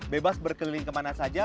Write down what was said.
bebas berkeliling kemana saja